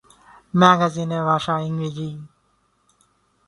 ম্যাগাজিনের ভাষা ইংরেজি।